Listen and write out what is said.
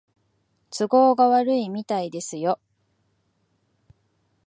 都合が悪いみたいですよ